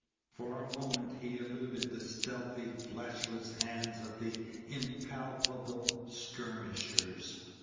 For a moment he eluded the stealthy fleshless hands of its impalpable skirmishers.